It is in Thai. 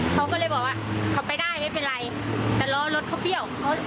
เราก็เลยบอกว่าเค้าไปได้ไม่เป็นไรแต่ร้อนรถเค้าเ฻ี้ยว